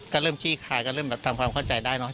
ก็เริ่มขี้คายก็เริ่มแบบทำความเข้าใจได้เนอะ